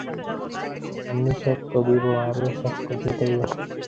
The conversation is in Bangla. এখন হইতেই ইহাদের সকল বিদ্বান পুরোহিতই এইভাবে বাইবেলের ব্যাখ্যা করিতে আরম্ভ করিয়াছেন।